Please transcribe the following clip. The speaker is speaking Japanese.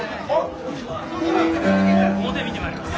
表見てまいります。